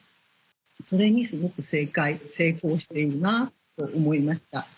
それにすごく成功しているなと思いました。